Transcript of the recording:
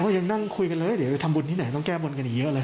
ยังนั่งคุยกันเลยเดี๋ยวไปทำบุญที่ไหนต้องแก้บนกันอีกเยอะเลย